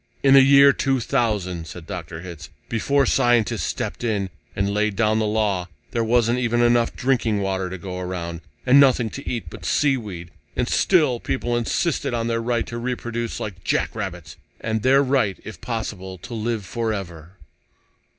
"In the year 2000," said Dr. Hitz, "before scientists stepped in and laid down the law, there wasn't even enough drinking water to go around, and nothing to eat but sea weed and still people insisted on their right to reproduce like jackrabbits. And their right, if possible, to live forever."